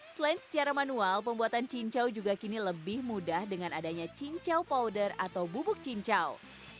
selain secara manual pembuatan cincau juga kini lebih mudah dengan adanya cincau powder atau bubuk cincau